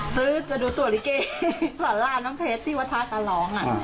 ซื้อจะดูตัวลิเกย์สรรลาน้ำเพชรตี้วะท้าตาหลอง